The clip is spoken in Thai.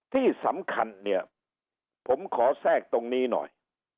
ที่สำคัญเนี่ยผมขอแทรกตรงนี้หน่อย